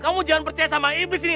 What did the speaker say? kamu jangan percaya sama iblis ini